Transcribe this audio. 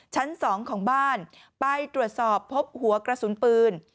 ชั้น๒ของบ้านไปตรวจสอบพบหัวกระสุนปืน